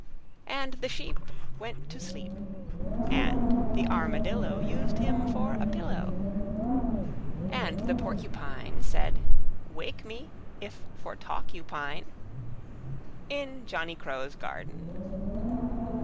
And the Sheep Went to sleep, And the Armadillo Used him for a pillow; And the Porcupine Said: "Wake me if for talk you pine!" In Johnny Crow's Garden.